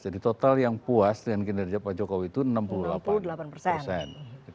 jadi total yang puas dengan kinerja pak jokowi itu enam puluh delapan persen